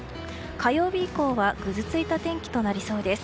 火曜日以降はぐずついた天気となりそうです。